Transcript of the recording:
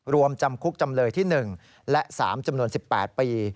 จำคุกจำเลยที่๑และ๓จำนวน๑๘ปี